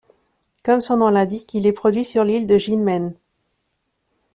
Comme son nom l'indique, il est produit sur l'île de Jinmen.